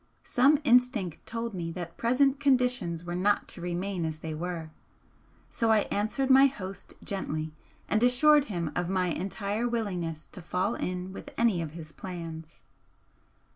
Some instinct told me that present conditions were not to remain as they were, so I answered my host gently and assured him of my entire willingness to fall in with any of his plans.